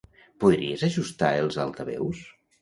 Podries ajustar els altaveus?